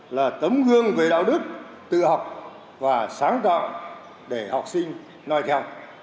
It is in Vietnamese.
là tấm gương về đạo đức tự học và sáng tạo để học sinh nói theo